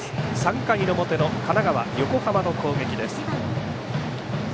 ３回表の神奈川、横浜の攻撃です。